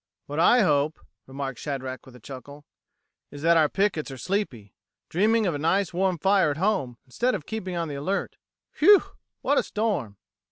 "What I hope," remarked Shadrack, with a chuckle, "is that our pickets are sleepy dreaming of a nice warm fire at home, instead of keeping on the alert. Whew! what a storm!"